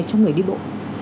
cho người đi bộ